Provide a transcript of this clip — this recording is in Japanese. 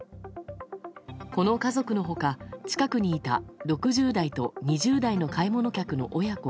この家族の他、近くにいた６０代と２０代の買い物客の親子